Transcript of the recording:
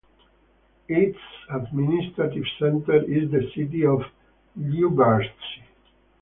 Its administrative center is the city of Lyubertsy.